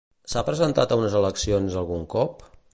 S'ha presentat a unes eleccions algun cop?